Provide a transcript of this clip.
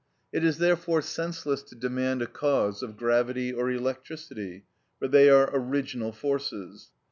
It is therefore senseless to demand a cause of gravity or electricity, for they are original forces.